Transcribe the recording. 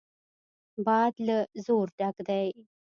باد له زور ډک دی.